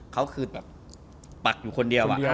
เขาคือแบบปักอยู่คนเดียว